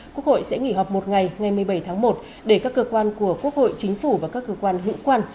quốc hội sẽ nghỉ họp một ngày ngày một mươi bảy tháng một để các cơ quan của quốc hội chính phủ và các cơ quan hữu quan